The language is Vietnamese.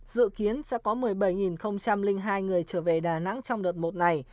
dự kiến sẽ có một mươi bảy hai người trở về đà nẵng trong đợt một này